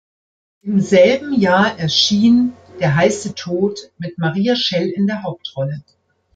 Im selben Jahr erschien "Der heiße Tod" mit Maria Schell in der Hauptrolle.